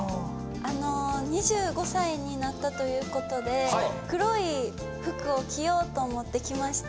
あの２５歳になったということで黒い服を着ようと思って着ました。